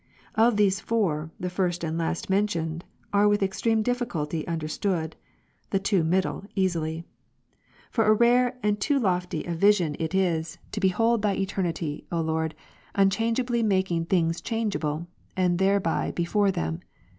Of these four, the first and last mentioned, are with extreme difliculty under stood, the two middle, easily. For a rare and too loftv a vision Priority of original illustrated. 273 is it, to behold Thy Eternity, O Lord, unchangeably making things changeable; and thereby before them.